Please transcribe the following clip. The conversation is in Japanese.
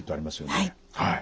はい。